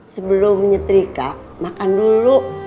sebelum nyetrika makan dulu